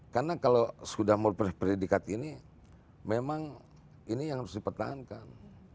karena kalau sudah memulai predikat ini memang ini yang harus dipertahankan